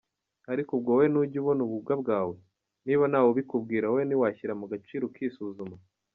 Ariko ubwo wowe ntujya ubona ububwa bwawe, niba ntawubikubwira, wowe ntiwashyira mu gaciro ukisuzuma?